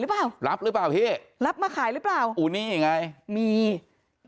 แต่ทางร้านบอกว่าไม่ใช่ละมั้งถึงจะฝาสีแดงเหมือนกัน